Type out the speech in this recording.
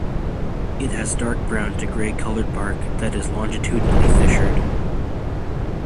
It has dark brown to grey coloured bark that is longitudinally fissured.